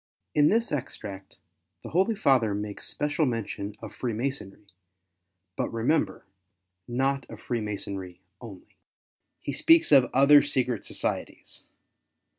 In this extract the Holy Father makes special mention of Freemasonry ; but, remember, not of Freemasomy only. He speaks of " other secret societies."